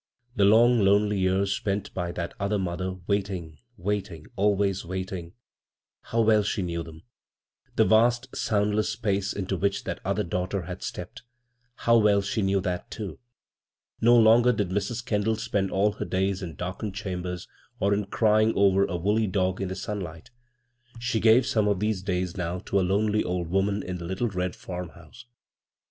The long, lonely years spent by that other mother wait ing, waiting, always wiuting — how well she knew them I The vast, soundless space into which that other daughter had stepped — how well she knew that, too I No longer did Mrs. Kendall spend all her days in darkened chambers, or in crying over a woolly dog in the sunlight ; she gave some of these days now to a lonely old woman in the littie red farmhouse.